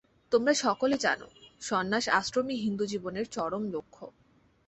তোমরা সকলে জান, সন্ন্যাস-আশ্রমই হিন্দুজীবনের চরম লক্ষ্য।